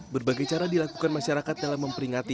berbagai cara dilakukan masyarakat dalam memperingati